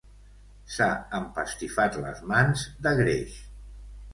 S'ha empastifat les mans de greix.